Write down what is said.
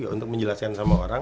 untuk menjelaskan sama orang